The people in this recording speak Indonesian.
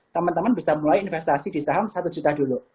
teman teman bisa mulai investasi di saham satu juta dulu